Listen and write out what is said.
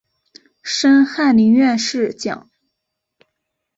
升翰林院侍讲。